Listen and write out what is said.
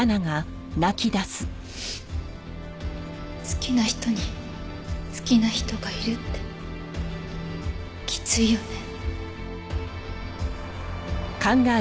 好きな人に好きな人がいるってきついよね。